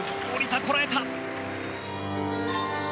降りた、こらえた。